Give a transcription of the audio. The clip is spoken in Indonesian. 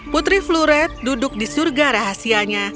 putri fluret duduk di surga rahasianya